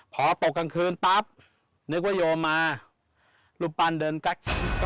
พอตกกลางคืนปั๊บนึกว่าโยมมารูปปั้นเดินแก๊ก